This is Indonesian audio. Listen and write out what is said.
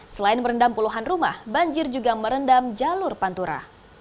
selain merendam puluhan rumah banjir juga merendam jalur pantura